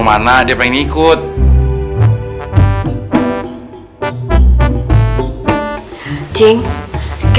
ya udah pokoknya lo ikut aja ya